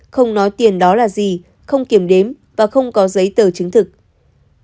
không nói tiền đó là gì không kiểm đếm và không có giấy tờ chứng thực